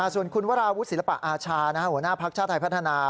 ส่วนคุณวราวุฒิศิลปะอาชาหัวหน้าภักดิ์ชาติไทยพัฒนา